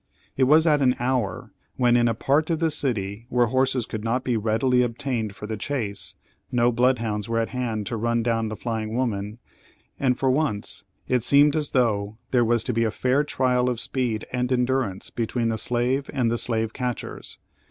It was at an hour when, and in a part of the city where, horses could not be readily obtained for the chase; no bloodhounds were at hand to run down the flying woman; and for once it seemed as though there was to be a fair trial of speed and endurance between the slave and the slave catchers.